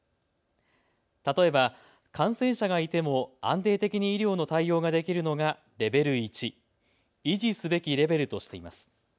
例えば感染者がいても安定的に医療の対応ができるのがレベル１、維持すべきレベルとしています。